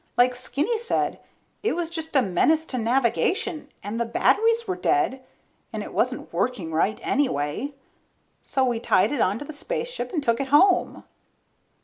Like Skinny said, it was just a menace to navigation, and the batteries were dead, and it wasn't working right anyway. So we tied it onto the spaceship and took it home.